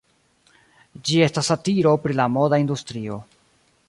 Ĝi estis satiro pri la moda industrio.